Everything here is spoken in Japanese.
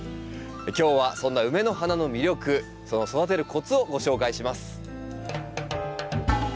今日はそんなウメの花の魅力その育てるコツをご紹介します。